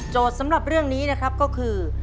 สำหรับเรื่องนี้นะครับก็คือ